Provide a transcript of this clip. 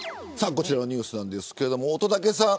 こちらのニュースなんですが乙武さん。